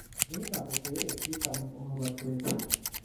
এই নাটকের একটি তামিল অনুবাদ রয়েছে।